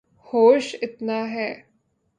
ہوش اتنا ہے